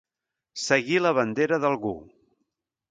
Seguir la bandera d'algú.